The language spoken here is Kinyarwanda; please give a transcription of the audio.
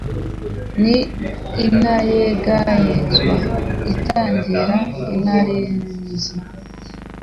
Ni Intayegayezwa itagira intarizi,